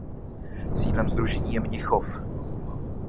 Sídlem sdružení je Mnichov.